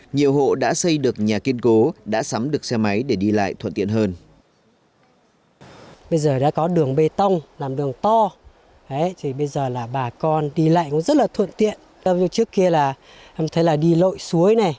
nhiều hộ đã xây được nhà kiên cố đã sắm được xe máy để đi lại thuận tiện hơn